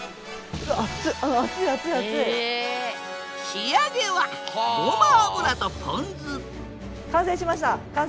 仕上げはごま油とポン酢完成しました完成です。